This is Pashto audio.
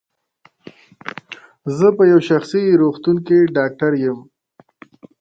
زه په یو شخصي روغتون کې ډاکټر یم.